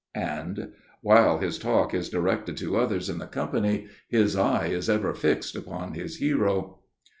'" and "while his talk is directed to others in the company, his eye is ever fixed upon his hero."